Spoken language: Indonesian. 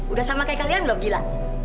udah sama kayak kalian belum gila